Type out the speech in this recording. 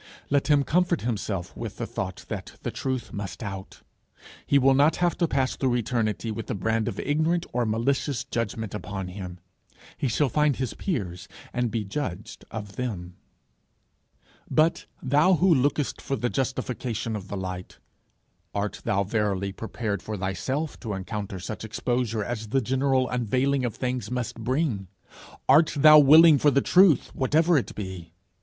Let him comfort himself with the thought that the truth must out. He will not have to pass through eternity with the brand of ignorant or malicious judgment upon him. He shall find his peers and be judged of them. But, thou who lookest for the justification of the light, art thou verily prepared for thyself to encounter such exposure as the general unveiling of things must bring? Art thou willing for the truth whatever it be?